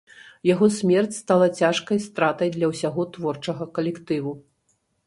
Яго смерць стала цяжкай стратай для ўсяго творчага калектыву.